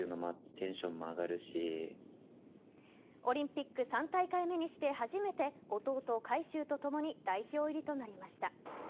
オリンピック３大会目にして初めて弟・海祝とともに代表入りとなりました。